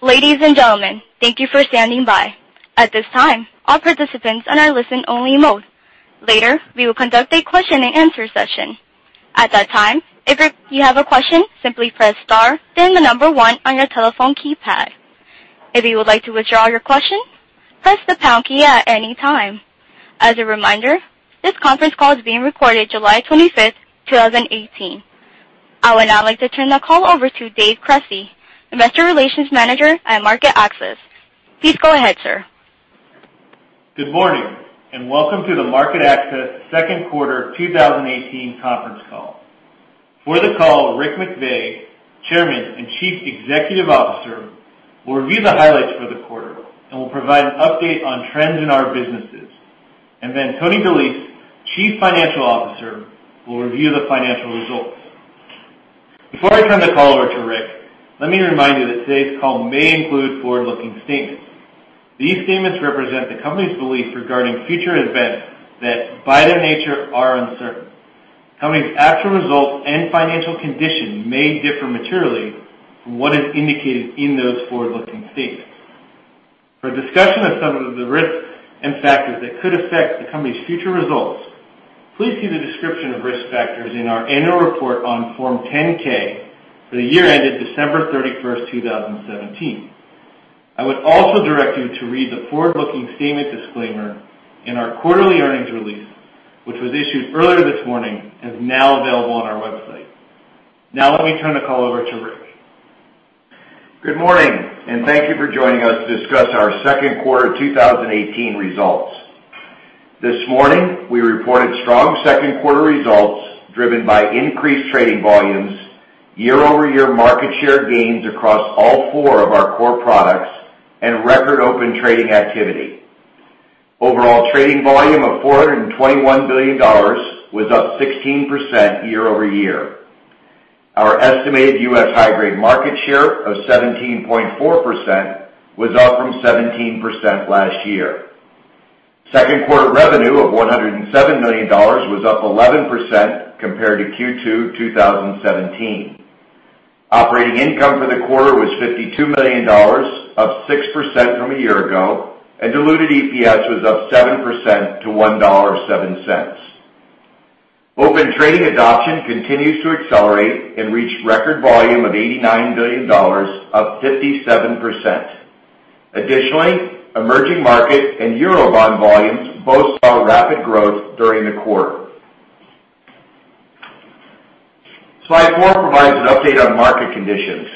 Ladies and gentlemen, thank you for standing by. At this time, all participants are in listen-only mode. Later, we will conduct a question-and-answer session. At that time, if you have a question, simply press star then the number one on your telephone keypad. If you would like to withdraw your question, press the pound key at any time. As a reminder, this conference call is being recorded July 25th, 2018. I would now like to turn the call over to Dave Cresci, Investor Relations Manager at MarketAxess. Please go ahead, sir. Good morning, and welcome to the MarketAxess second quarter 2018 conference call. For the call, Rick McVey, Chairman and Chief Executive Officer, will review the highlights for the quarter and will provide an update on trends in our businesses. Tony DeLise, Chief Financial Officer, will review the financial results. Before I turn the call over to Rick, let me remind you that today's call may include forward-looking statements. These statements represent the company's belief regarding future events that, by their nature, are uncertain. Company's actual results and financial condition may differ materially from what is indicated in those forward-looking statements. For a discussion of some of the risks and factors that could affect the company's future results, please see the description of risk factors in our annual report on Form 10-K for the year ended December 31st, 2017. I would also direct you to read the forward-looking statement disclaimer in our quarterly earnings release, which was issued earlier this morning and is now available on our website. Now let me turn the call over to Rick. Good morning, and thank you for joining us to discuss our second quarter 2018 results. This morning, we reported strong second quarter results driven by increased trading volumes, year-over-year market share gains across all four of our core products, and record Open Trading activity. Overall trading volume of $421 billion was up 16% year-over-year. Our estimated U.S. high-grade market share of 17.4% was up from 17% last year. Second quarter revenue of $107 million was up 11% compared to Q2, 2017. Operating income for the quarter was $52 million, up 6% from a year ago, and diluted EPS was up 7% to $1.7. Open Trading adoption continues to accelerate and reached record volume of $89 billion, up 57%. Additionally, emerging market and Eurobond volumes both saw rapid growth during the quarter. Slide four provides an update on market conditions.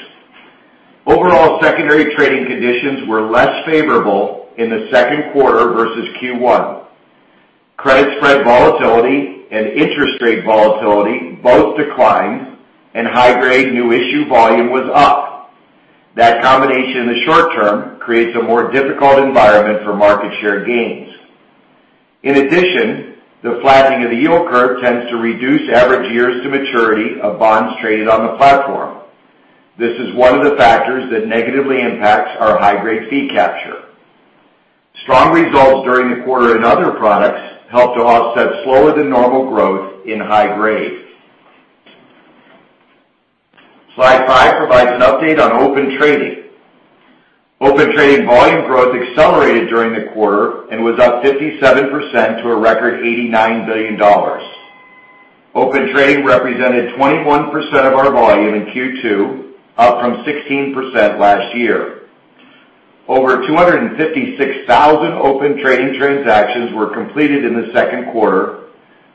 Overall secondary trading conditions were less favorable in the second quarter versus Q1. Credit spread volatility and interest rate volatility both declined, and high-grade new issue volume was up. That combination in the short term creates a more difficult environment for market share gains. In addition, the flattening of the yield curve tends to reduce average years to maturity of bonds traded on the platform. This is one of the factors that negatively impacts our high-grade fee capture. Strong results during the quarter in other products helped to offset slower than normal growth in high-grade. Slide five provides an update on Open Trading. Open Trading volume growth accelerated during the quarter and was up 57% to a record $89 billion. Open Trading represented 21% of our volume in Q2, up from 16% last year. Over 256,000 Open Trading transactions were completed in the second quarter,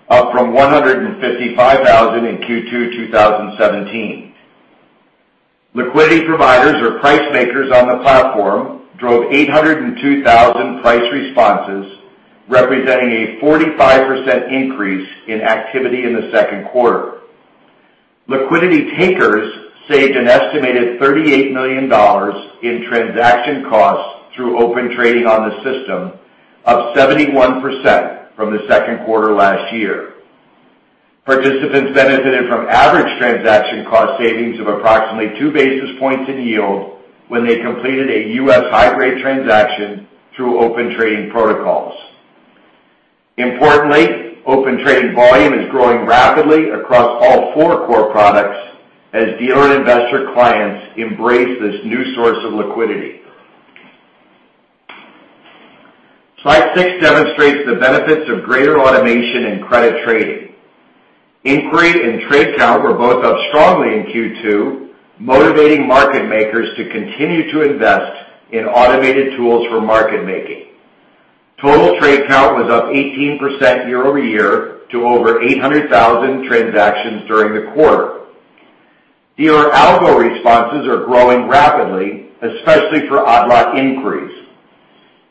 up from 155,000 in Q2 2017. Liquidity providers or price makers on the platform drove 802,000 price responses, representing a 45% increase in activity in the second quarter. Liquidity takers saved an estimated $38 million in transaction costs through Open Trading on the system, up 71% from the second quarter last year. Participants benefited from average transaction cost savings of approximately two basis points in yield when they completed a U.S. high-grade transaction through Open Trading protocols. Importantly, Open Trading volume is growing rapidly across all four core products as dealer and investor clients embrace this new source of liquidity. Slide six demonstrates the benefits of greater automation in credit trading. Inquiry and trade count were both up strongly in Q2, motivating market makers to continue to invest in automated tools for market making. Total trade count was up 18% year-over-year to over 800,000 transactions during the quarter. Dealer algo responses are growing rapidly, especially for odd lot inquiries.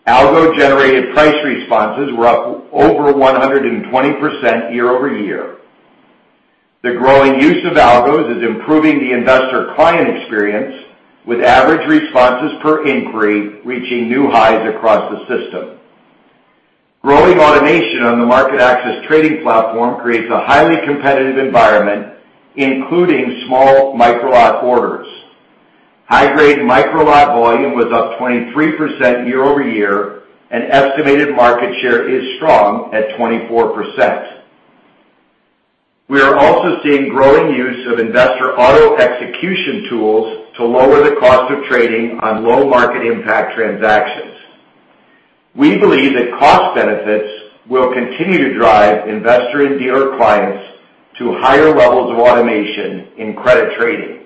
Algo-generated price responses were up over 120% year-over-year. The growing use of algos is improving the investor client experience, with average responses per inquiry reaching new highs across the system. Growing automation on the MarketAxess trading platform creates a highly competitive environment, including small micro-lot orders. High-grade micro-lot volume was up 23% year-over-year, and estimated market share is strong at 24%. We are also seeing growing use of investor auto execution tools to lower the cost of trading on low market impact transactions. We believe that cost benefits will continue to drive investor and dealer clients to higher levels of automation in credit trading.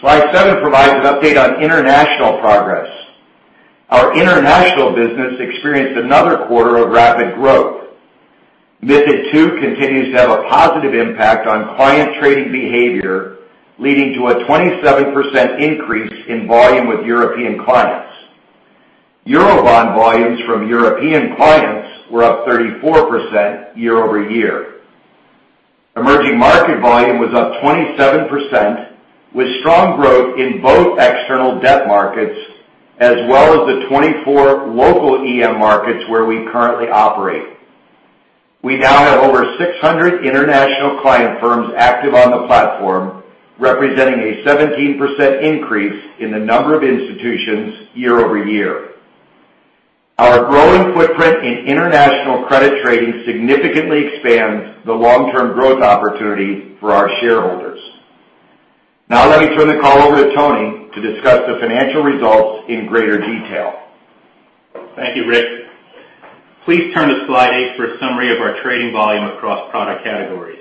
Slide seven provides an update on international progress. Our international business experienced another quarter of rapid growth. MiFID II continues to have a positive impact on client trading behavior, leading to a 27% increase in volume with European clients. Eurobond volumes from European clients were up 34% year-over-year. Emerging market volume was up 27%, with strong growth in both external debt markets as well as the 24 local EM markets where we currently operate. We now have over 600 international client firms active on the platform, representing a 17% increase in the number of institutions year-over-year. Our growing footprint in international credit trading significantly expands the long-term growth opportunity for our shareholders. Now let me turn the call over to Tony to discuss the financial results in greater detail. Thank you, Rick. Please turn to slide eight for a summary of our trading volume across product categories.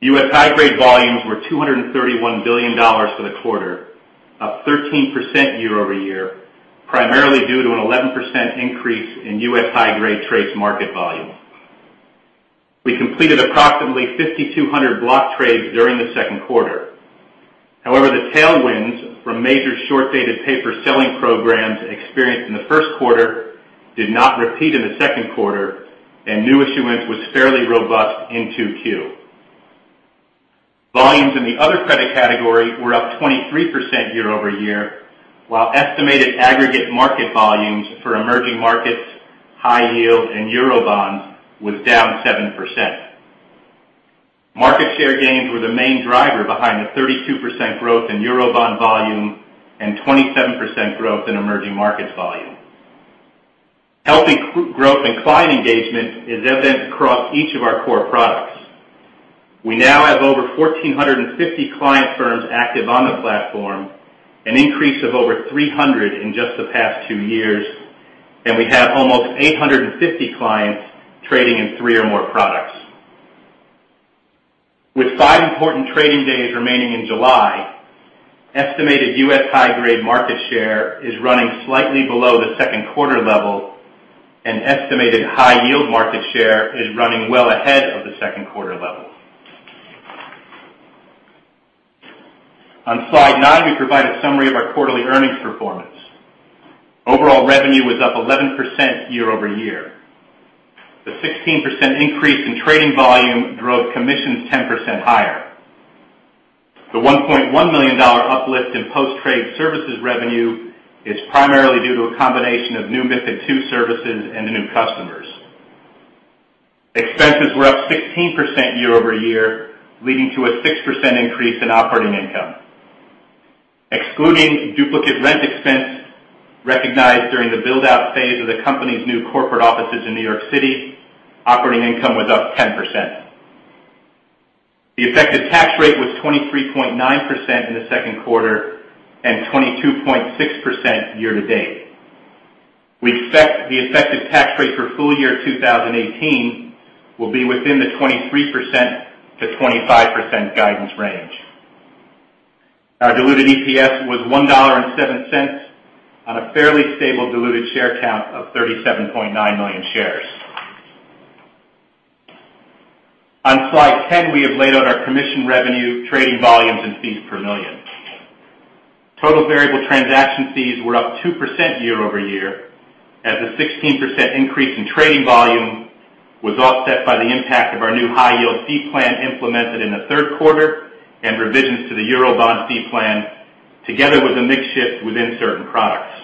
U.S. high-grade volumes were $231 billion for the quarter, up 13% year-over-year, primarily due to an 11% increase in U.S. high-grade trades market volume. We completed approximately 5,200 block trades during the second quarter. However, the tailwinds from major short-dated paper selling programs experienced in the first quarter did not repeat in the second quarter, and new issuance was fairly robust in 2Q. Volumes in the other credit category were up 23% year-over-year, while estimated aggregate market volumes for emerging markets, high yield, and Eurobonds was down 7%. Market share gains were the main driver behind the 32% growth in Eurobond volume and 27% growth in emerging markets volume. Healthy growth in client engagement is evident across each of our core products. We now have over 1,450 client firms active on the platform, an increase of over 300 in just the past two years, and we have almost 850 clients trading in three or more products. With five important trading days remaining in July, estimated U.S. high-grade market share is running slightly below the second quarter level, and estimated high-yield market share is running well ahead of the second quarter level. On slide nine, we provide a summary of our quarterly earnings performance. Overall revenue was up 11% year-over-year. The 16% increase in trading volume drove commissions 10% higher. The $1.1 million uplift in post-trade services revenue is primarily due to a combination of new MiFID II services and the new customers. Expenses were up 16% year-over-year, leading to a 6% increase in operating income. Excluding duplicate rent expense recognized during the build-out phase of the company's new corporate offices in New York City, operating income was up 10%. The effective tax rate was 23.9% in the second quarter and 22.6% year-to-date. We expect the effective tax rate for full year 2018 will be within the 23%-25% guidance range. Our diluted EPS was $1.7 on a fairly stable diluted share count of 37.9 million shares. On slide 10, we have laid out our commission revenue, trading volumes, and fees per million. Total variable transaction fees were up 2% year-over-year, as a 16% increase in trading volume was offset by the impact of our new high-yield fee plan implemented in the third quarter and revisions to the Eurobond fee plan, together with a mix shift within certain products.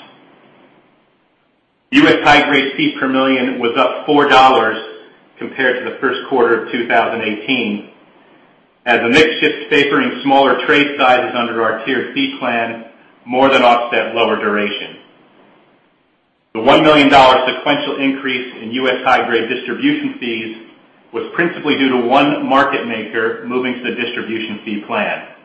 U.S. high-grade fees per million was up $4 compared to the first quarter of 2018, as a mix shift favoring smaller trade sizes under our tiered fee plan more than offset lower duration. The $1 million sequential increase in U.S. high-grade distribution fees was principally due to one market maker moving to the distribution fee plan.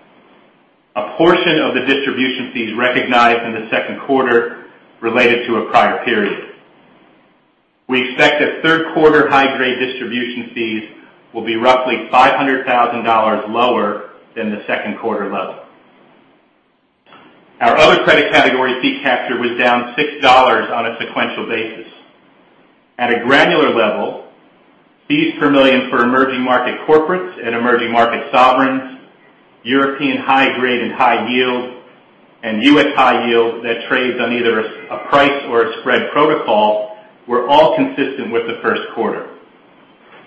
A portion of the distribution fees recognized in the second quarter related to a prior period. We expect that third quarter high-grade distribution fees will be roughly $500,000 lower than the second quarter level. Our other credit category fee capture was down $6 on a sequential basis. At a granular level, fees per million for emerging market corporates and emerging market sovereigns, European high-grade and high yield, and U.S. high yield that trades on either a price or a spread protocol were all consistent with the first quarter.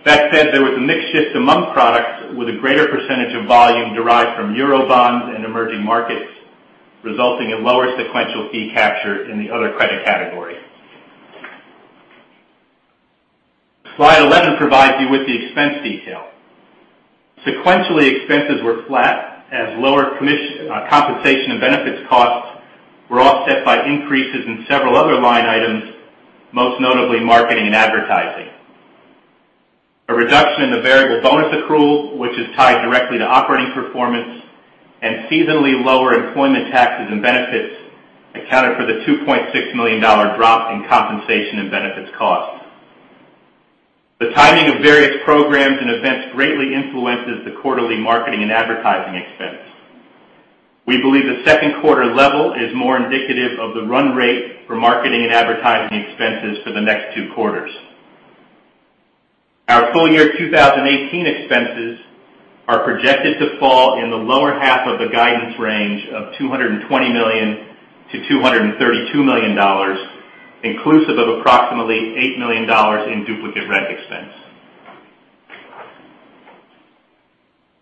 That said, there was a mix shift among products with a greater percentage of volume derived from Eurobonds and emerging markets, resulting in lower sequential fee capture in the other credit category. Slide 11 provides you with the expense detail. Sequentially, expenses were flat as lower compensation and benefits costs By increases in several other line items, most notably marketing and advertising. A reduction in the variable bonus accrual, which is tied directly to operating performance, and seasonally lower employment taxes and benefits accounted for the $2.6 million drop in compensation and benefits costs. The timing of various programs and events greatly influences the quarterly marketing and advertising expense. We believe the second quarter level is more indicative of the run rate for marketing and advertising expenses for the next two quarters. Our full year 2018 expenses are projected to fall in the lower half of the guidance range of $220 million to $232 million, inclusive of approximately $8 million in duplicate rent expense.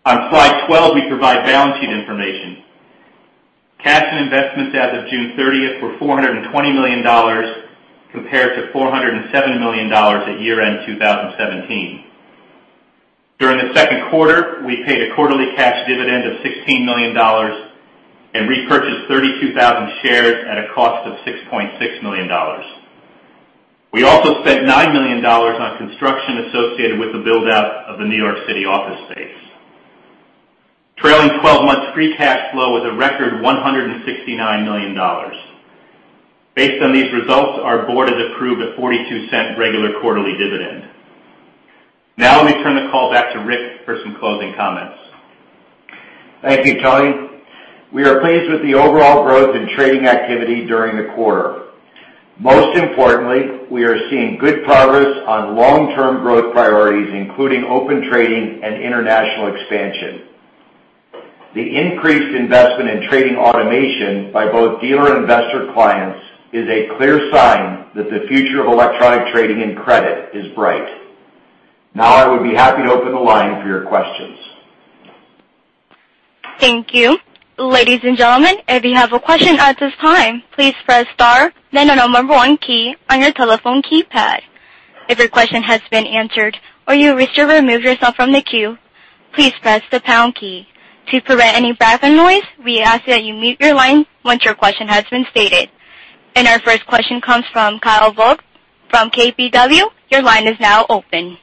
On slide 12, we provide balance sheet information. Cash and investments as of June 30th were $420 million compared to $407 million at year-end 2017. During the second quarter, we paid a quarterly cash dividend of $16 million and repurchased 32,000 shares at a cost of $6.6 million. We also spent $9 million on construction associated with the build-out of the New York City office space. Trailing 12 months free cash flow was a record $169 million. Based on these results, our board has approved a $0.42 regular quarterly dividend. Now, let me turn the call back to Rick for some closing comments. Thank you, Tony. We are pleased with the overall growth in trading activity during the quarter. Most importantly, we are seeing good progress on long-term growth priorities, including Open Trading and international expansion. The increased investment in trading automation by both dealer and investor clients is a clear sign that the future of electronic trading in credit is bright. Now, I would be happy to open the line for your questions. Thank you. Ladies and gentlemen, if you have a question at this time, please press star then the number one key on your telephone keypad. If your question has been answered or you wish to remove yourself from the queue, please press the pound key. To prevent any background noise, we ask that you mute your line once your question has been stated. And our first question comes from Kyle Voigt from KBW. Your line is now open.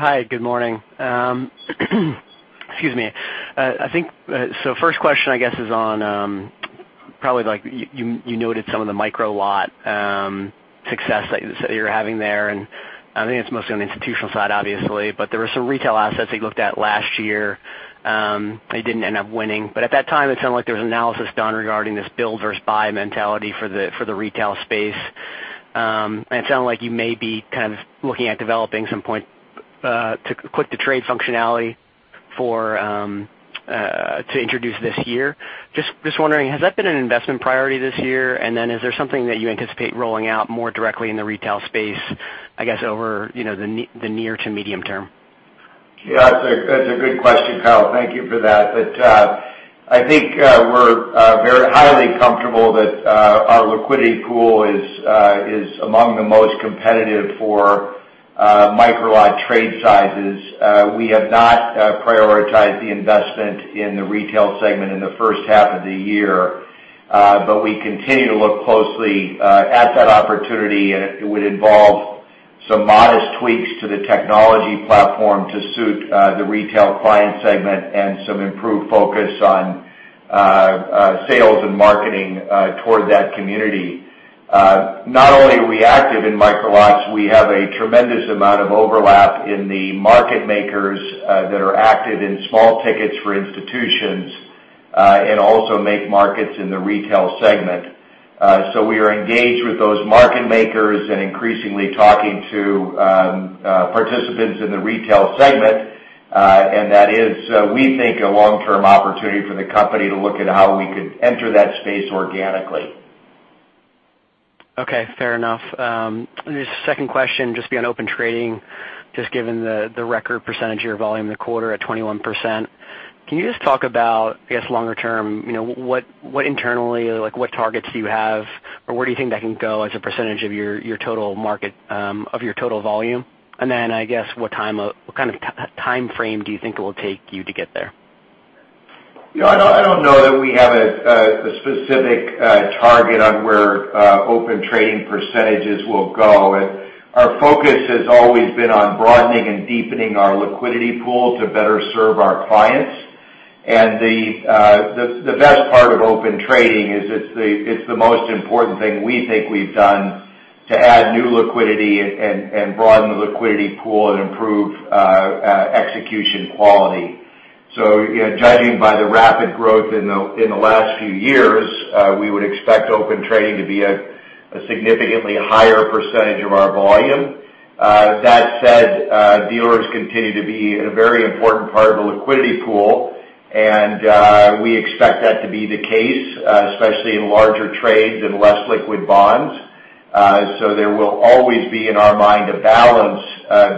Hi, good morning. Excuse me. First question, I guess, is on probably, you noted some of the micro-lot success that you're having there, and I think it's mostly on the institutional side, obviously, but there were some retail assets that you looked at last year that you didn't end up winning. At that time, it sounded like there was analysis done regarding this build versus buy mentality for the retail space. It sounded like you may be kind of looking at developing some point to click-to-trade functionality to introduce this year. Just wondering, has that been an investment priority this year? Is there something that you anticipate rolling out more directly in the retail space, I guess, over the near to medium term? Yeah, that's a good question, Kyle. Thank you for that. I think we're highly comfortable that our liquidity pool is among the most competitive for micro-lot trade sizes. We have not prioritized the investment in the retail segment in the first half of the year, but we continue to look closely at that opportunity, and it would involve some modest tweaks to the technology platform to suit the retail client segment and some improved focus on sales and marketing toward that community. Not only are we active in micro-lots, we have a tremendous amount of overlap in the market makers that are active in small tickets for institutions, and also make markets in the retail segment. We are engaged with those market makers and increasingly talking to participants in the retail segment, and that is, we think, a long-term opportunity for the company to look at how we could enter that space organically. Okay, fair enough. Just a second question, just be on Open Trading, just given the record percentage of your volume in the quarter at 21%. Can you just talk about, I guess, longer term, internally, what targets do you have or where do you think that can go as a percentage of your total volume? Then, I guess, what kind of timeframe do you think it will take you to get there? I don't know that we have a specific target on where Open Trading percentages will go. Our focus has always been on broadening and deepening our liquidity pool to better serve our clients. The best part of Open Trading is it's the most important thing we think we've done to add new liquidity and broaden the liquidity pool and improve execution quality. Judging by the rapid growth in the last few years, we would expect Open Trading to be a significantly higher percentage of our volume. That said, dealers continue to be a very important part of the liquidity pool, and we expect that to be the case, especially in larger trades and less liquid bonds. There will always be, in our mind, a balance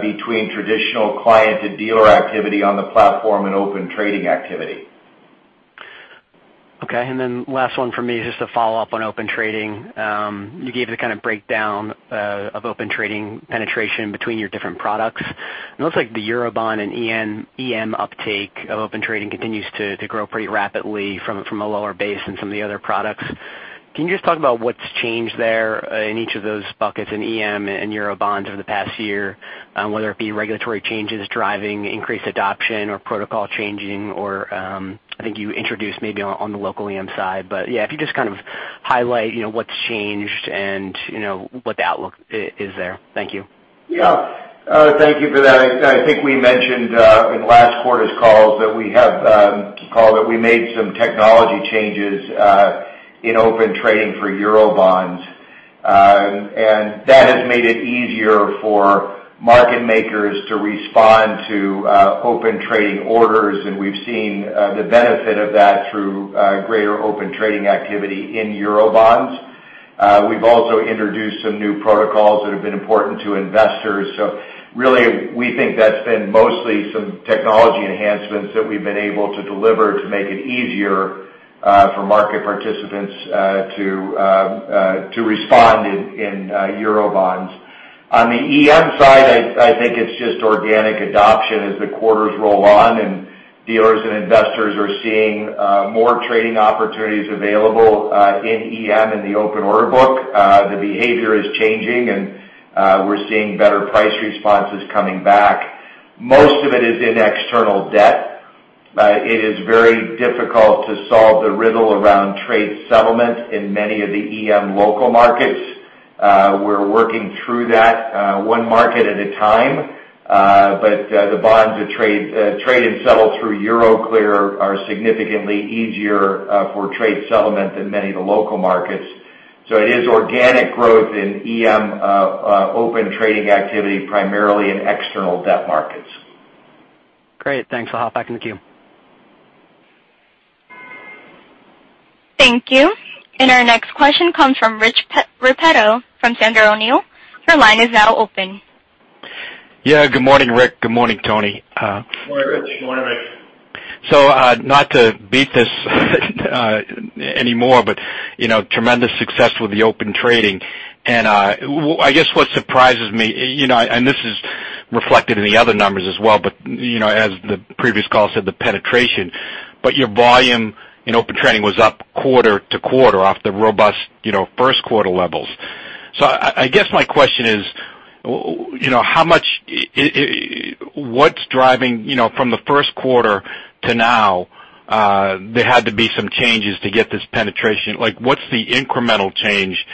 between traditional client and dealer activity on the platform and Open Trading activity. Last one from me, just to follow up on Open Trading. You gave the kind of breakdown of Open Trading penetration between your different products. It looks like the Eurobond and EM uptake of Open Trading continues to grow pretty rapidly from a lower base than some of the other products. Can you just talk about what's changed there in each of those buckets in EM and Eurobonds over the past year, whether it be regulatory changes driving increased adoption or protocol changing or, I think you introduced maybe on the local EM side, if you just kind of highlight what's changed and what the outlook is there. Thank you. Thank you for that. I think we mentioned in last quarter's call that we made some technology changes in Open Trading for Eurobonds. That has made it easier for market makers to respond to Open Trading orders, and we've seen the benefit of that through greater Open Trading activity in Eurobonds. We've also introduced some new protocols that have been important to investors. We think that's been mostly some technology enhancements that we've been able to deliver to make it easier for market participants to respond in Eurobonds. On the EM side, I think it's just organic adoption as the quarters roll on and dealers and investors are seeing more trading opportunities available in EM in the open order book. The behavior is changing and we're seeing better price responses coming back. Most of it is in external debt. It is very difficult to solve the riddle around trade settlement in many of the EM local markets. We're working through that one market at a time. The bonds that trade and settle through Euroclear are significantly easier for trade settlement than many of the local markets. It is organic growth in EM Open Trading activity, primarily in external debt markets. Great. Thanks. I'll hop back in the queue. Thank you. Our next question comes from Rich Repetto from Sandler O'Neill. Your line is now open. Yeah, good morning, Rick. Good morning, Tony. Good morning, Rich. Good morning, Rich. Not to beat this anymore, but tremendous success with the Open Trading. I guess what surprises me, and this is reflected in the other numbers as well, but as the previous call said, the penetration, but your volume in Open Trading was up quarter-to-quarter off the robust first quarter levels. I guess my question is, what's driving from the first quarter to now? There had to be some changes to get this penetration. What's the incremental change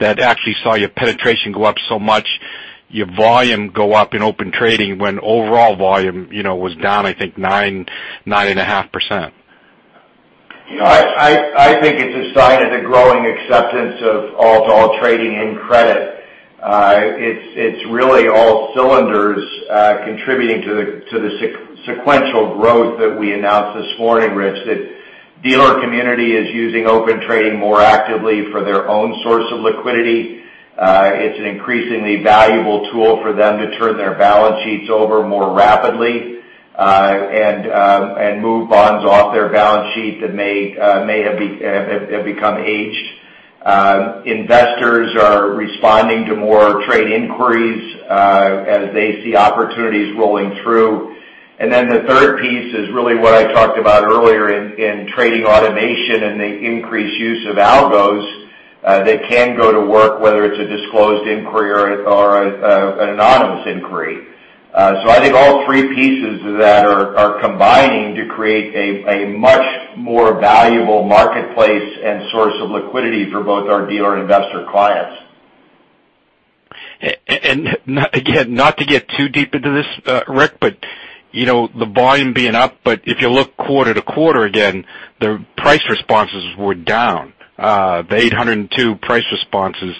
that actually saw your penetration go up so much, your volume go up in Open Trading when overall volume was down, I think 9.5%? I think it's a sign of the growing acceptance of all trading in credit. It's really all cylinders contributing to the sequential growth that we announced this morning, Rich. That dealer community is using Open Trading more actively for their own source of liquidity. It's an increasingly valuable tool for them to turn their balance sheets over more rapidly, and move bonds off their balance sheet that may have become aged. Investors are responding to more trade inquiries as they see opportunities rolling through. The third piece is really what I talked about earlier in trading automation and the increased use of algos that can go to work, whether it's a disclosed inquiry or an anonymous inquiry. I think all three pieces of that are combining to create a much more valuable marketplace and source of liquidity for both our dealer investor clients. Again, not to get too deep into this, Rick, but the volume being up, but if you look quarter-to-quarter again, the price responses were down, the 802 price responses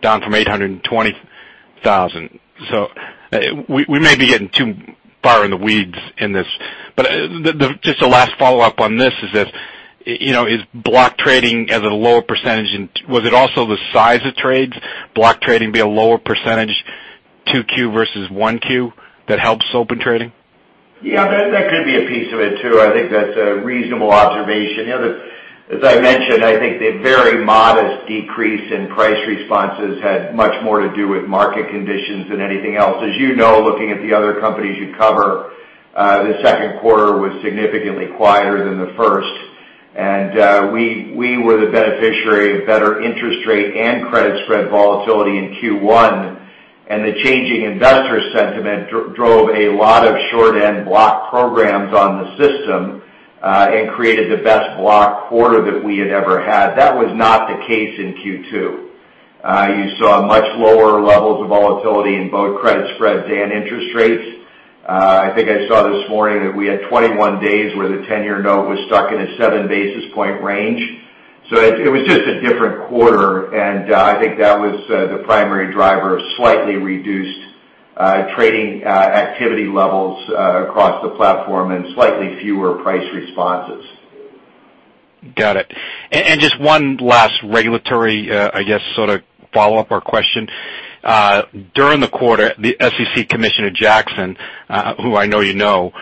down from 820,000. We may be getting too far in the weeds in this. Just the last follow-up on this is if, is block trading as a lower percentage, and was it also the size of trades, block trading be a lower percentage 2Q versus 1Q that helps Open Trading? Yeah, that could be a piece of it too. I think that's a reasonable observation. As I mentioned, I think the very modest decrease in price responses had much more to do with market conditions than anything else. As you know, looking at the other companies you cover, the second quarter was significantly quieter than the first. We were the beneficiary of better interest rate and credit spread volatility in Q1. The changing investor sentiment drove a lot of short-end block programs on the system, and created the best block quarter that we had ever had. That was not the case in Q2. You saw much lower levels of volatility in both credit spreads and interest rates. I think I saw this morning that we had 21 days where the 10-year note was stuck in a seven basis point range. It was just a different quarter, and I think that was the primary driver of slightly reduced trading activity levels across the platform and slightly fewer price responses. Got it. Just one last regulatory, I guess, sort of follow-up or question. During the quarter, the SEC Commissioner Jackson, who I know you know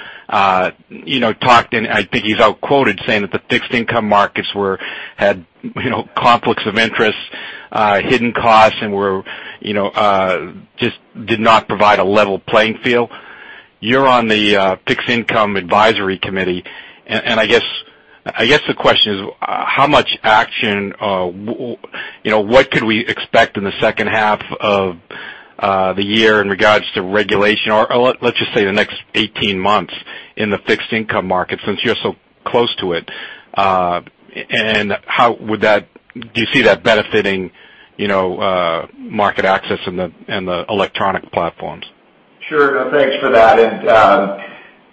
talked and I think he's out quoted saying that the fixed income markets had conflicts of interest, hidden costs and just did not provide a level playing field. You're on the Fixed Income Market Structure Advisory Committee, and I guess the question is how much action-- what could we expect in the second half of the year in regards to regulation? Or let's just say the next 18 months in the fixed income market, since you're so close to it. Do you see that benefiting MarketAxess and the electronic platforms? Sure. No, thanks for that.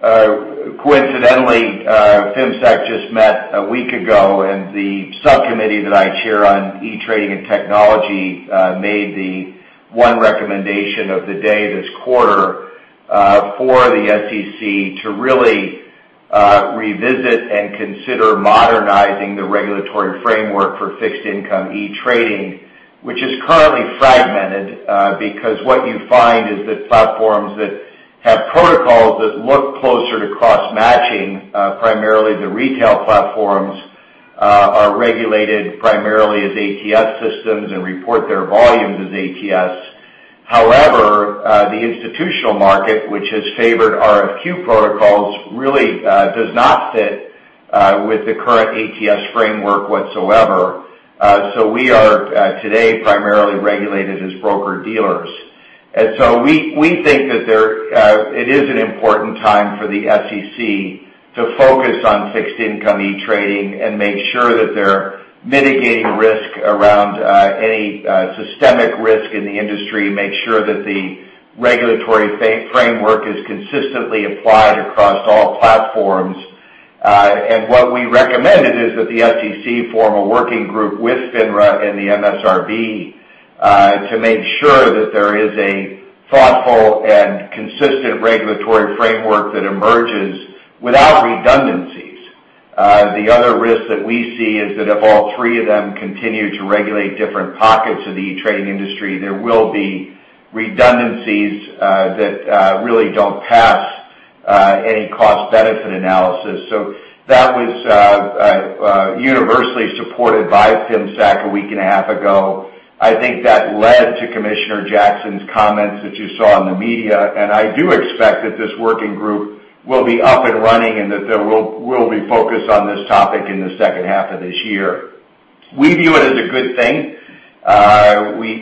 Coincidentally, FIMSAC just met a week ago, and the subcommittee that I chair on e-trading and technology made the one recommendation of the day this quarter, for the SEC to really revisit and consider modernizing the regulatory framework for fixed income e-trading. Which is currently fragmented, because what you find is that platforms that have protocols that look closer to cross-matching, primarily the retail platforms, are regulated primarily as ATS systems and report their volumes as ATS. However, the institutional market, which has favored RFQ protocols, really does not fit with the current ATS framework whatsoever. We are today primarily regulated as broker-dealers. We think that it is an important time for the SEC to focus on fixed income e-trading and make sure that they're mitigating risk around any systemic risk in the industry, make sure that the regulatory framework is consistently applied across all platforms. What we recommended is that the SEC form a working group with FINRA and the MSRB, to make sure that there is a thoughtful and consistent regulatory framework that emerges without redundancies. The other risk that we see is that if all three of them continue to regulate different pockets of the e-trading industry, there will be redundancies that really don't pass any cost-benefit analysis. That was universally supported by FIMSAC a week and a half ago. I think that led to Commissioner Jackson's comments that you saw in the media. I do expect that this working group will be up and running and that there will be focus on this topic in the second half of this year. We view it as a good thing.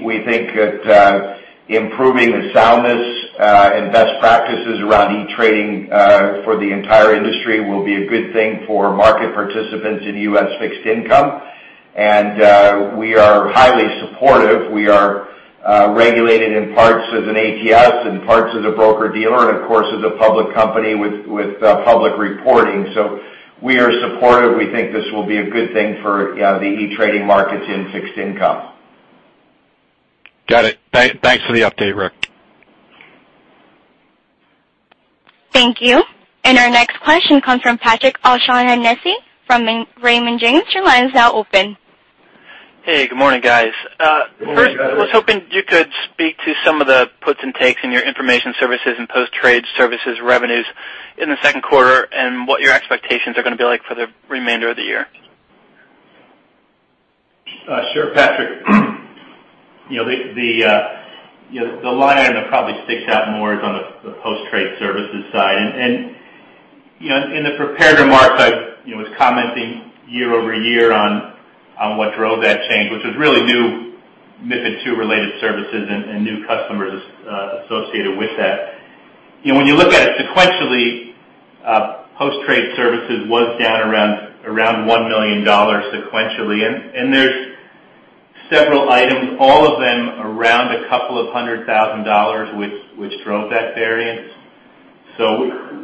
We think that improving the soundness and best practices around e-trading for the entire industry will be a good thing for market participants in U.S. fixed income. We are highly supportive. We are regulated in parts as an ATS, in parts as a broker-dealer, and of course, as a public company with public reporting. We are supportive. We think this will be a good thing for the e-trading markets in fixed income. Got it. Thanks for the update, Rick. Thank you. Our next question comes from Patrick O'Shaughnessy from Raymond James. Your line is now open. Hey, good morning, guys. Good morning, Patrick. First, I was hoping you could speak to some of the puts and takes in your information services and post-trade services revenues in the second quarter, and what your expectations are going to be like for the remainder of the year. Sure, Patrick. The line item that probably sticks out more is on the post-trade services side. In the prepared remarks, I was commenting year-over-year on what drove that change, which was really new MiFID II-related services and new customers associated with that. When you look at it sequentially, post-trade services was down around $1 million sequentially. There's several items, all of them around $200 thousand, which drove that variance.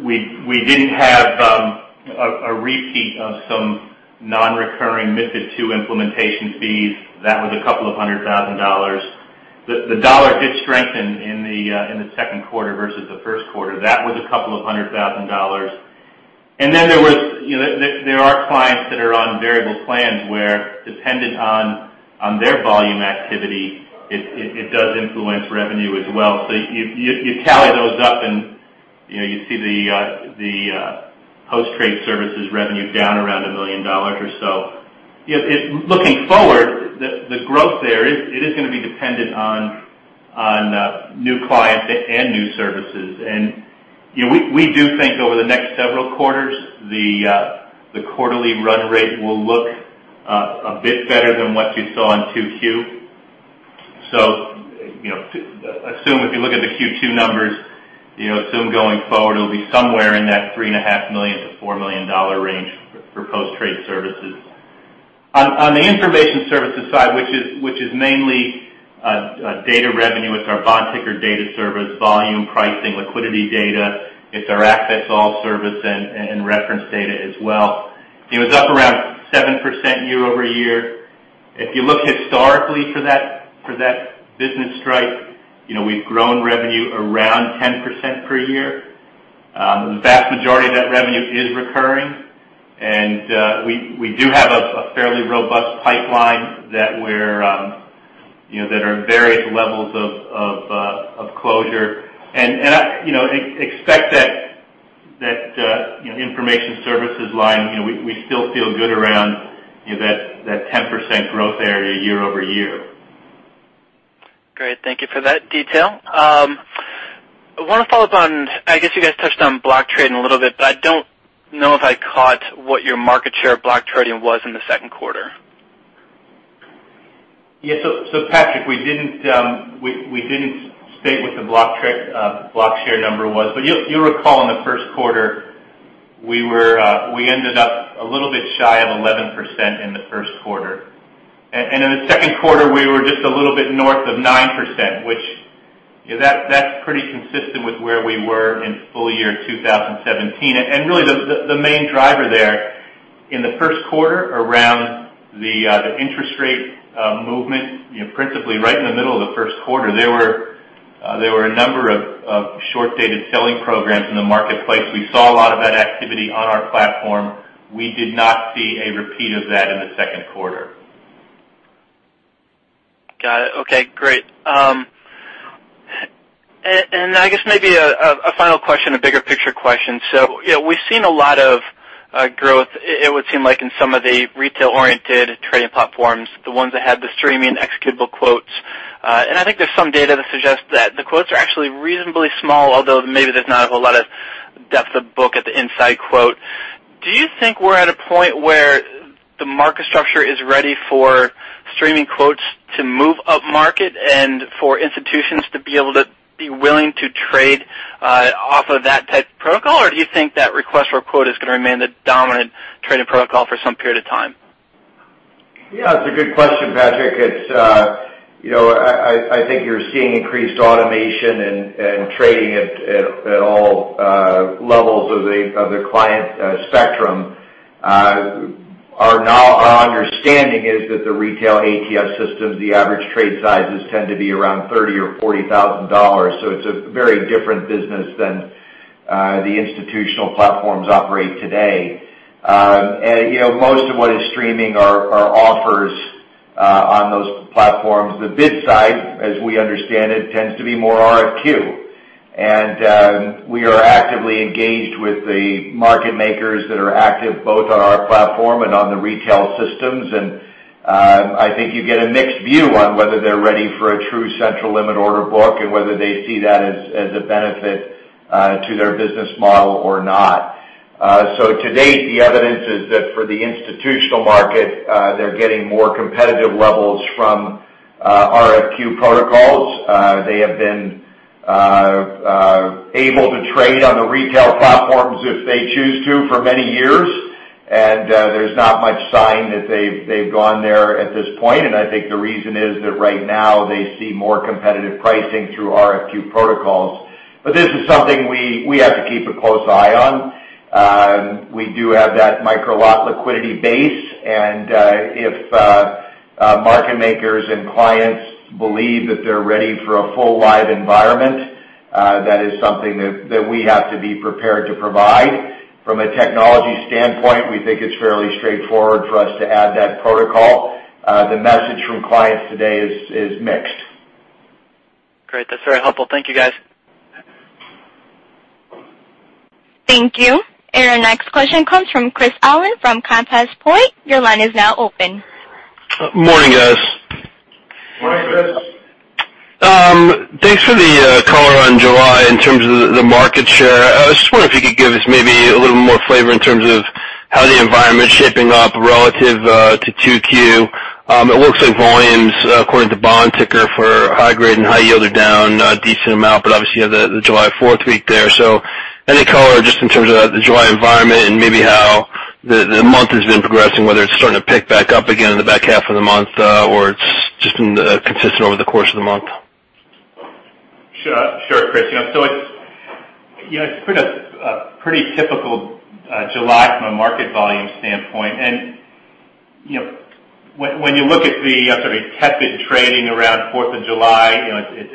We didn't have a repeat of some non-recurring MiFID II implementation fees. That was $200 thousand. The dollar did strengthen in the second quarter versus the first quarter. That was $200 thousand. There are clients that are on variable plans where, dependent on their volume activity, it does influence revenue as well. You tally those up, and you see the post-trade services revenue down around $1 million or so. Looking forward, the growth there is going to be dependent on new clients and new services. We do think over the next several quarters, the quarterly run rate will look a bit better than what you saw in 2Q. Assume if you look at the Q2 numbers, assume going forward, it'll be somewhere in that three and a half million to $4 million range for post-trade services. On the information services side, which is mainly data revenue. It's our BondTicker data service, volume pricing, liquidity data. It's our Axess All service and reference data as well. It was up around 7% year-over-year. If you look historically for that business stripe, we've grown revenue around 10% per year. The vast majority of that revenue is recurring. We do have a fairly robust pipeline that are in various levels of closure. Information services line. We still feel good around that 10% growth area year-over-year. Great. Thank you for that detail. I want to follow up on, I guess you guys touched on block trading a little bit, but I don't know if I caught what your market share of block trading was in the second quarter. Patrick, we didn't state what the block share number was. You'll recall in the first quarter, we ended up a little bit shy of 11% in the first quarter. In the second quarter, we were just a little bit north of 9%, which is pretty consistent with where we were in full year 2017. The main driver there, in the first quarter, around the interest rate movement, principally right in the middle of the first quarter, there were a number of short-dated selling programs in the marketplace. We saw a lot of that activity on our platform. We did not see a repeat of that in the second quarter. Got it. Okay, great. I guess maybe a final question, a bigger picture question. We've seen a lot of growth, it would seem like, in some of the retail-oriented trading platforms, the ones that had the streaming executable quotes. I think there's some data that suggests that the quotes are actually reasonably small, although maybe there's not a whole lot of depth of book at the inside quote. Do you think we're at a point where the market structure is ready for streaming quotes to move upmarket and for institutions to be able to be willing to trade off of that type of protocol? Or do you think that RFQ is going to remain the dominant trading protocol for some period of time? It's a good question, Patrick. I think you're seeing increased automation and trading at all levels of the client spectrum. Our understanding is that the retail ATS systems, the average trade sizes tend to be around $30,000 or $40,000. It's a very different business than the institutional platforms operate today. Most of what is streaming are offers on those platforms. The bid side, as we understand it, tends to be more RFQ. We are actively engaged with the market makers that are active both on our platform and on the retail systems. I think you get a mixed view on whether they're ready for a true central limit order book and whether they see that as a benefit to their business model or not. To date, the evidence is that for the institutional market, they're getting more competitive levels from RFQ protocols. They have been able to trade on the retail platforms if they choose to, for many years, and there's not much sign that they've gone there at this point. I think the reason is that right now they see more competitive pricing through RFQ protocols. This is something we have to keep a close eye on. We do have that micro lot liquidity base, and if market makers and clients believe that they're ready for a full live environment, that is something that we have to be prepared to provide. From a technology standpoint, we think it's fairly straightforward for us to add that protocol. The message from clients today is mixed. Great. That's very helpful. Thank you, guys. Thank you. Our next question comes from Chris Allen from Compass Point. Your line is now open. Morning, guys. Morning, Chris. Thanks for the color on July in terms of the market share. I was just wondering if you could give us maybe a little more flavor in terms of how the environment's shaping up relative to 2Q. It looks like volumes according to BondTicker for high grade and high yield are down a decent amount, but obviously you have the July 4th week there. Any color just in terms of the July environment and maybe how the month has been progressing, whether it's starting to pick back up again in the back half of the month, or it's just been consistent over the course of the month? Sure, Chris. It's been a pretty typical July from a market volume standpoint. When you look at the sort of tepid trading around 4th of July,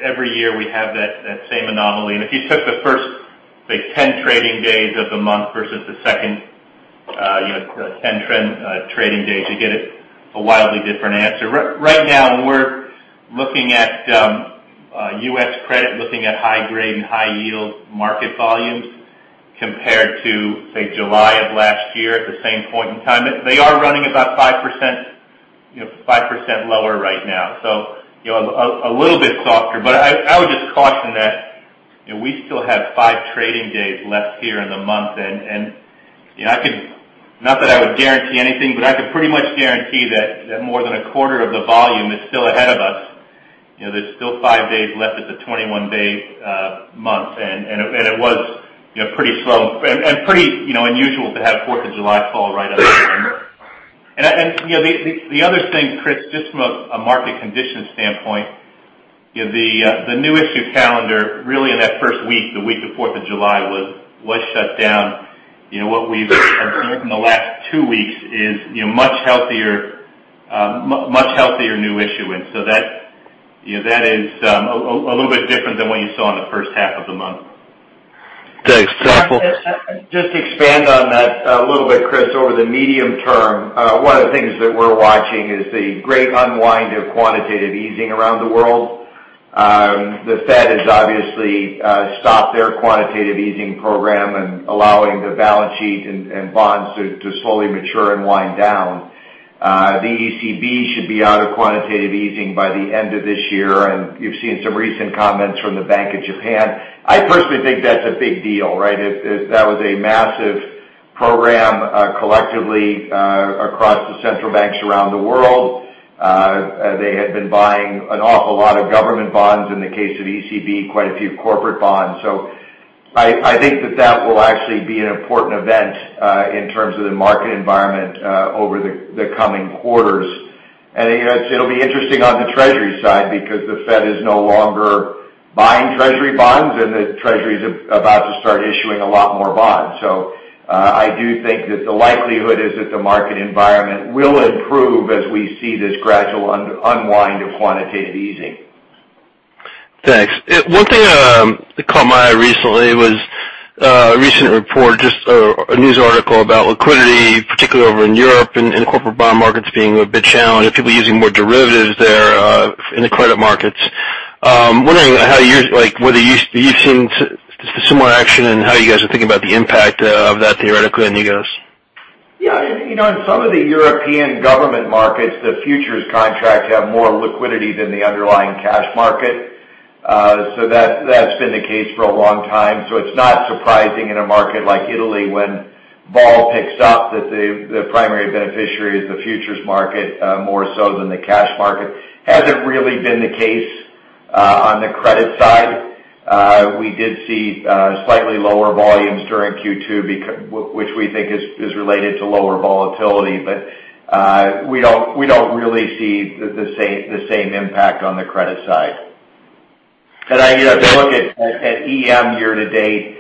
every year we have that same anomaly. If you took the first, say, 10 trading days of the month versus the second 10 trading days, you get a wildly different answer. Right now, when we're looking at U.S. credit, looking at high grade and high yield market volumes compared to, say, July of last year at the same point in time, they are running about 5% lower right now. A little bit softer. I would just caution that we still have five trading days left here in the month. Not that I would guarantee anything, but I could pretty much guarantee that more than a quarter of the volume is still ahead of us. There's still five days left of the 21-day month, and it was pretty slow and pretty unusual to have 4th of July fall right on a weekend. The other thing, Chris, just from a market condition standpoint, the new issue calendar really in that first week, the week of 4th of July, was shut down. What we've seen in the last two weeks is much healthier new issuance. That is a little bit different than what you saw in the first half of the month. Thanks. Just to expand on that a little bit, Chris, over the medium term, one of the things that we're watching is the great unwind of quantitative easing around the world. The Fed has obviously stopped their quantitative easing program and allowing the balance sheet and bonds to slowly mature and wind down. The ECB should be out of quantitative easing by the end of this year. You've seen some recent comments from the Bank of Japan. I personally think that's a big deal, right? That was a massive program, collectively, across the central banks around the world. They had been buying an awful lot of government bonds, in the case of ECB, quite a few corporate bonds. I think that that will actually be an important event in terms of the market environment over the coming quarters. It'll be interesting on the Treasury side, because the Fed is no longer buying Treasury bonds and the Treasury is about to start issuing a lot more bonds. I do think that the likelihood is that the market environment will improve as we see this gradual unwind of quantitative easing. Thanks. One thing that caught my eye recently was a recent report, just a news article about liquidity, particularly over in Europe, and corporate bond markets being a bit challenged and people using more derivatives there in the credit markets. I'm wondering whether you've seen similar action and how you guys are thinking about the impact of that theoretically on you guys. Yeah. In some of the European government markets, the futures contracts have more liquidity than the underlying cash market. That's been the case for a long time. It's not surprising in a market like Italy when vol picks up that the primary beneficiary is the futures market more so than the cash market. Hasn't really been the case on the credit side. We did see slightly lower volumes during Q2, which we think is related to lower volatility. We don't really see the same impact on the credit side. If you look at EM year-to-date,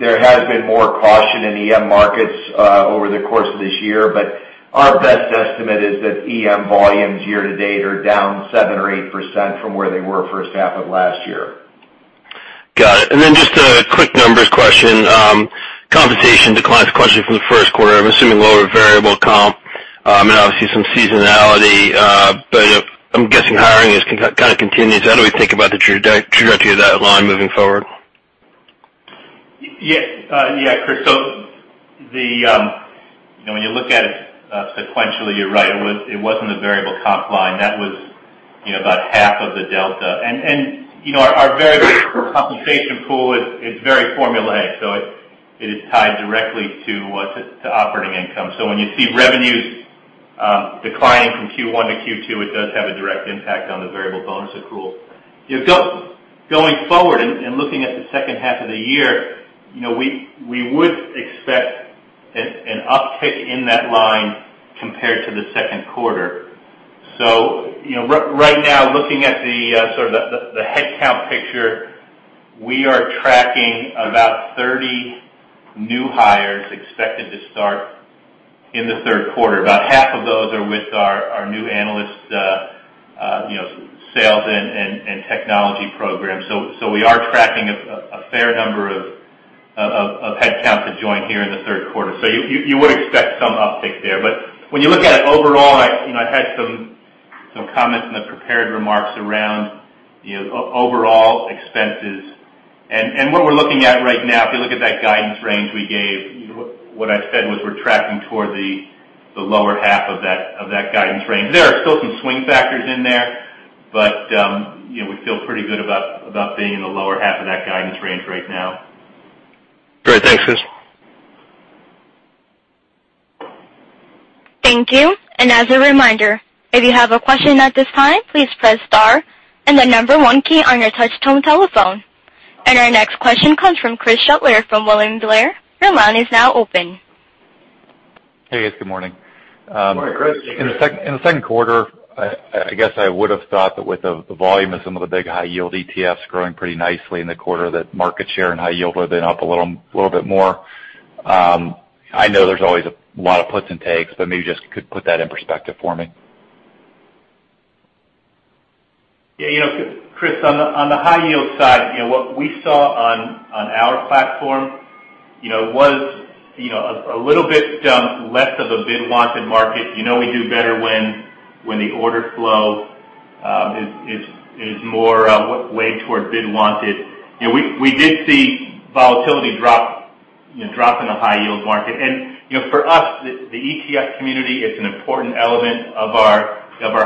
there has been more caution in EM markets over the course of this year. Our best estimate is that EM volumes year-to-date are down 7% or 8% from where they were first half of last year. Got it. Just a quick numbers question. Compensation declines sequentially from the first quarter. I'm assuming lower variable comp, and obviously some seasonality. I'm guessing hiring is kind of continuous. How do we think about the trajectory of that line moving forward? Yeah, Chris. When you look at it sequentially, you're right. It wasn't a variable comp line. That was about half of the delta. Our variable compensation pool is very formulaic. It is tied directly to operating income. When you see revenues declining from Q1 to Q2, it does have a direct impact on the variable bonus accrual. Going forward and looking at the second half of the year, we would expect an uptick in that line compared to the second quarter. Right now, looking at the sort of the headcount picture, we are tracking about 30 new hires expected to start in the third quarter. About half of those are with our new analyst sales and technology program. We are tracking a fair number of headcount to join here in the third quarter. You would expect some uptick there. When you look at it overall, I had some comments in the prepared remarks around overall expenses. What we're looking at right now, if you look at that guidance range we gave, what I said was we're tracking toward the lower half of that guidance range. There are still some swing factors in there, we feel pretty good about being in the lower half of that guidance range right now. Great. Thanks, Chris. Thank you. As a reminder, if you have a question at this time, please press star and the number 1 key on your touchtone telephone. Our next question comes from Chris Shutler from William Blair. Your line is now open. Hey, guys. Good morning. Morning, Chris. In the second quarter, I guess I would've thought that with the volume of some of the big high-yield ETFs growing pretty nicely in the quarter, that market share and high yield would've been up a little bit more. I know there's always a lot of puts and takes, but maybe just could put that in perspective for me. Yeah, Chris, on the high-yield side, what we saw on our platform was a little bit less of a bid-wanted market. You know we do better when the order flow is more weighed toward bid-wanted. We did see volatility drop in the high-yield market. For us, the ETF community is an important element of our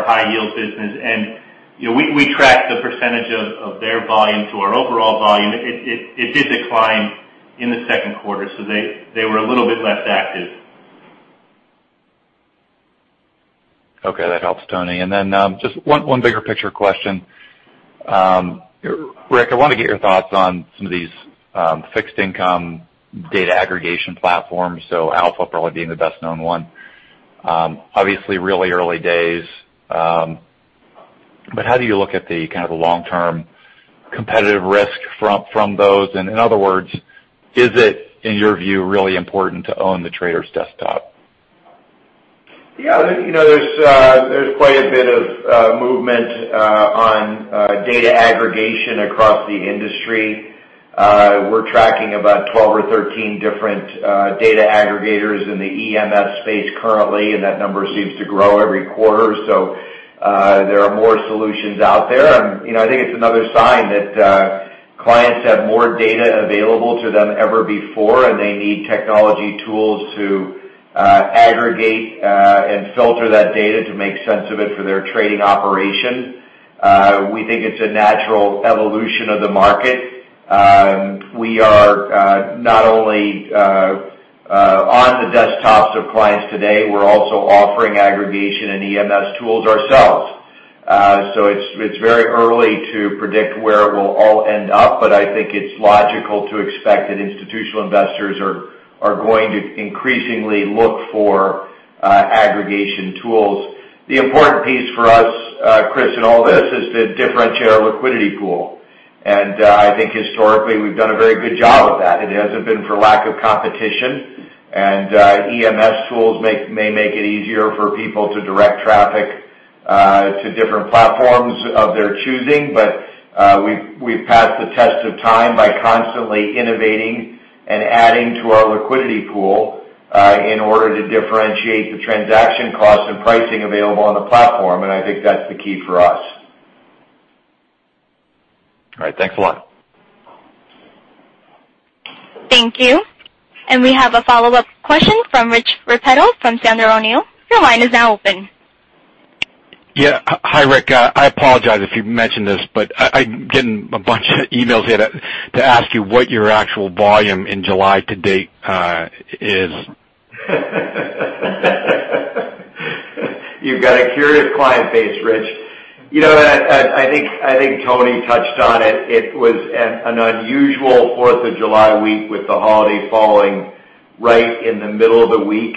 high-yield business. We track the percentage of their volume to our overall volume. It did decline in the second quarter, they were a little bit less active. Okay. That helps, Tony. Then just one bigger picture question. Rick, I wanted to get your thoughts on some of these fixed income data aggregation platforms, so Algomi probably being the best-known one. Obviously, really early days. How do you look at the kind of the long-term competitive risk from those? In other words, is it, in your view, really important to own the trader's desktop? Yeah. There's quite a bit of movement on data aggregation across the industry. We're tracking about 12 or 13 different data aggregators in the EMS space currently, and that number seems to grow every quarter. There are more solutions out there. I think it's another sign that clients have more data available to them than ever before. They need technology tools to aggregate and filter that data to make sense of it for their trading operation. We think it's a natural evolution of the market. We are not only on the desktops of clients today, we're also offering aggregation and EMS tools ourselves. It's very early to predict where it will all end up, but I think it's logical to expect that institutional investors are going to increasingly look for aggregation tools. The important piece for us, Chris, in all this, is to differentiate our liquidity pool. I think historically, we've done a very good job of that. It hasn't been for lack of competition. EMS tools may make it easier for people to direct traffic to different platforms of their choosing. We've passed the test of time by constantly innovating and adding to our liquidity pool in order to differentiate the transaction cost and pricing available on the platform. I think that's the key for us. All right. Thanks a lot. Thank you. We have a follow-up question from Rich Repetto of Sandler O'Neill. Your line is now open. Yeah. Hi, Rick. I apologize if you've mentioned this, but I'm getting a bunch of emails here to ask you what your actual volume in July to date is. You've got a curious client base, Rich. I think Tony touched on it. It was an unusual Fourth of July week with the holiday falling right in the middle of the week.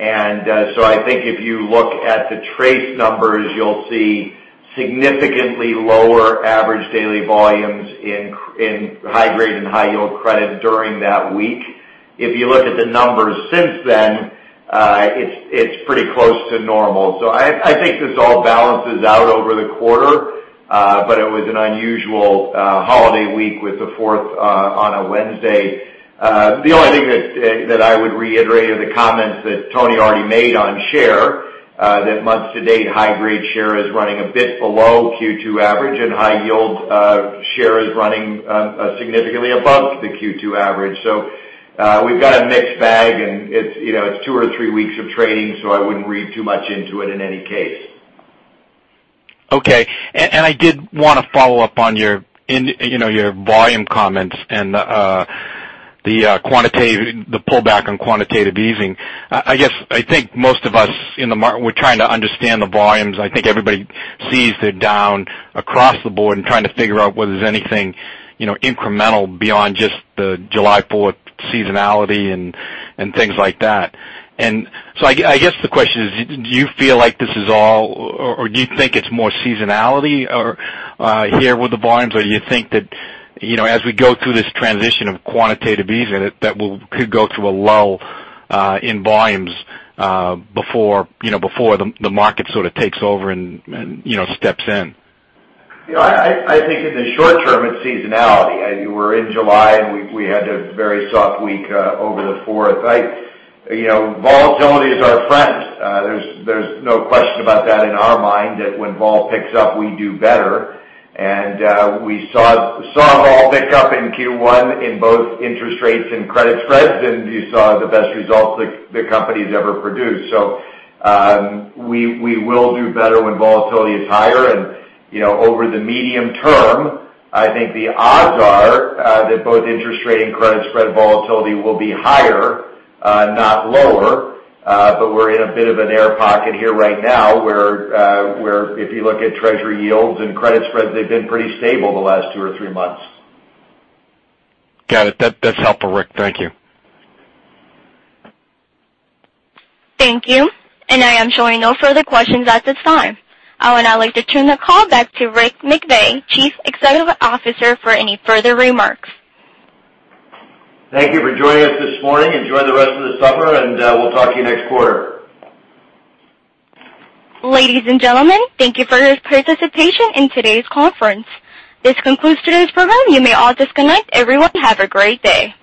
I think if you look at the trade numbers, you'll see significantly lower average daily volumes in high-grade and high-yield credit during that week. If you look at the numbers since then, it's pretty close to normal. I think this all balances out over the quarter. It was an unusual holiday week with the Fourth on a Wednesday. The only thing that I would reiterate are the comments that Tony already made on share, that month to date, high-grade share is running a bit below Q2 average, and high-yield share is running significantly above the Q2 average. We've got a mixed bag, and it's two or three weeks of trading, so I wouldn't read too much into it in any case. Okay. I did want to follow up on your volume comments and the pullback on quantitative easing. I think most of us in the market, we're trying to understand the volumes. I think everybody sees they're down across the board and trying to figure out whether there's anything incremental beyond just the July Fourth seasonality and things like that. I guess the question is, do you feel like this is all or do you think it's more seasonality here with the volumes? Or you think that as we go through this transition of quantitative easing, that we could go through a lull in volumes before the market sort of takes over and steps in? I think in the short term, it's seasonality. We're in July, and we had a very soft week over the Fourth. Volatility is our friend. There's no question about that in our mind that when vol picks up, we do better. We saw vol pick up in Q1 in both interest rates and credit spreads, and you saw the best results the company's ever produced. We will do better when volatility is higher. Over the medium term, I think the odds are that both interest rate and credit spread volatility will be higher, not lower. We're in a bit of an air pocket here right now where if you look at Treasury yields and credit spreads, they've been pretty stable the last two or three months. Got it. That's helpful, Rick. Thank you. Thank you. I am showing no further questions at this time. I would now like to turn the call back to Rick McVey, Chief Executive Officer, for any further remarks. Thank you for joining us this morning. Enjoy the rest of the summer, and we'll talk to you next quarter. Ladies and gentlemen, thank you for your participation in today's conference. This concludes today's program. You may all disconnect. Everyone, have a great day.